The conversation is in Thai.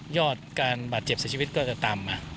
ยอดการบาดเจ็บใส่ชีวิตก็จะต่ำ